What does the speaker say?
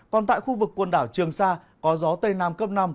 còn tại khu vực quần đảo trường sa có gió tây nam cấp năm